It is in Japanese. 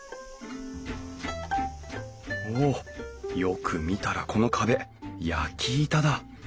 おっよく見たらこの壁焼板だ。